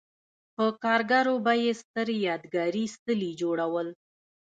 په کارګرو به یې ستر یادګاري څلي جوړول.